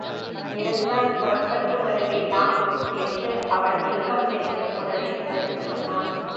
இருந்தால் புறப்பட்டு வருவேனா? என்று அவள் ஏக்கம் நிறைந்த குரலில் பதில் சொன்னாள்.